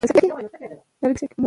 مهاراجا به شهزاده ته ډیر درناوی کوي.